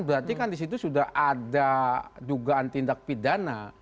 berarti kan disitu sudah ada dugaan tindak pidana